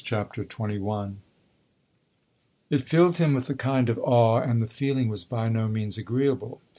CHAPTER XXI It filled him with a kind of awe, and the feeling was by no means agreeable.